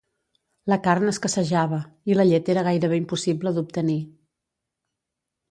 La carn escassejava i la llet era gairebé impossible d'obtenir